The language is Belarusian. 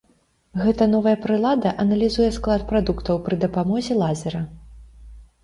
Гэта новая прылада аналізуе склад прадуктаў пры дапамозе лазера.